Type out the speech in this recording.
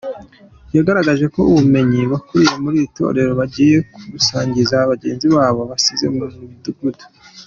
Yagaragaje ko ubumenyi bakuriye muri iri torero bagiye kubusangiza bagenzi babo basize mu midugudu.